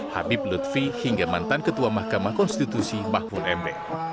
habib lutfi hingga mantan ketua mahkamah konstitusi mahmun m b